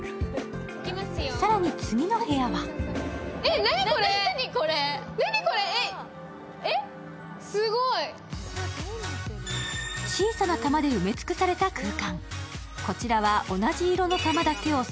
更に、次の部屋はえっ、すごい！小さな玉で埋め尽くされた空間。